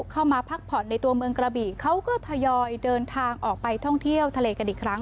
เข้ามาพักผ่อนในตัวเมืองกระบี่เขาก็ทยอยเดินทางออกไปท่องเที่ยวทะเลกันอีกครั้ง